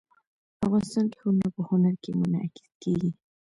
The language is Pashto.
افغانستان کې ښارونه په هنر کې منعکس کېږي.